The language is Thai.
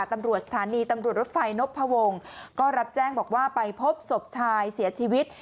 ตำรวจสถานีตำรวจรถไฟนพวงก็รับแจ้งบอกว่าไปพบศพชายเสียชีวิต